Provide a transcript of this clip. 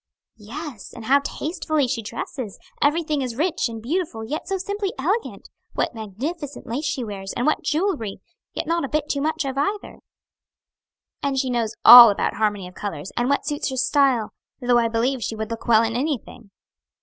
"Yes, and how tastefully she dresses; everything is rich and beautiful, yet so simply elegant; what magnificent lace she wears, and what jewelry; yet not a bit too much of either." "And she knows all about harmony of colors, and what suits her style; though I believe she would look well in anything."